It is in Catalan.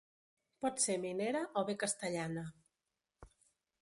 Pot ser minera o bé castellana.